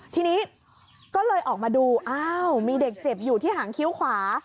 ทีนี้ก็เลยออกมาดูอ้าวมีเด็กเจ็บอยู่ที่หางคิ้วขวา